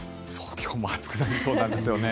今日も暑くなりそうなんですよね。